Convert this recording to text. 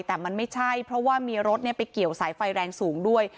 แต่มันไม่ใช่เพราะว่ามีรถไปเกี่ยวสายไฟแรงสูงด้วย